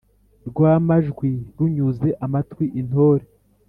rwa majwi runyuze amatwi. intore